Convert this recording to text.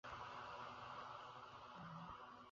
কিছুক্ষণ পরে রাজা দেখিলেন, শিবিকা বিষমভাবে চলিতেছে।